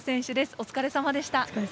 お疲れさまでした。